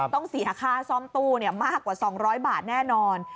ต้องเสียค่าซ่อมตู้มากกว่า๒๐๐บาทแน่นอน